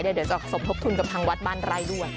เดี๋ยวจะสมทบทุนกับทางวัดบ้านไร่ด้วย